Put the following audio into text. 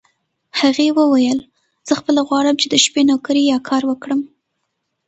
هغې وویل: زه خپله غواړم چې د شپې نوکري یا کار وکړم.